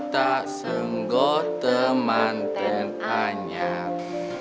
ta senggoh penganten anjar